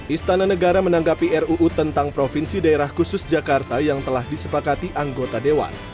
istana negara menanggapi ruu tentang provinsi daerah khusus jakarta yang telah disepakati anggota dewan